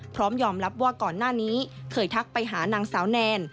พร้อมยอมรับว่าก่อนหน้านี้เคยทักไปหานางสาวแนน